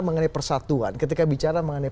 mengenai persatuan ketika bicara mengenai